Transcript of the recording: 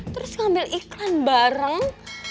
terus ngambil iklan bareng